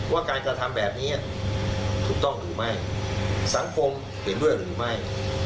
ว่าการกระทำแบบนี้ถูกต้องหรือไม่สังคมเห็นด้วยหรือไม่